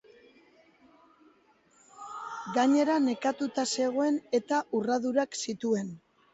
Gainera, nekatuta zegoen eta urradurak zituen.